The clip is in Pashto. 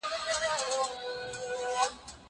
زه به سبا ښوونځی ته ولاړ سم؟